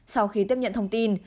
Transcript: sau khi tiếp nhận thông tin